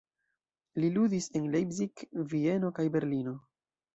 Li ludis en Leipzig, Vieno kaj Berlino.